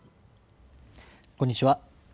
こんにちは。